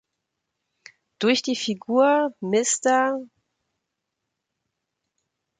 Durch die Figur „Mr.